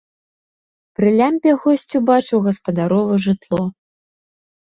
Пры лямпе госць убачыў гаспадарова жытло.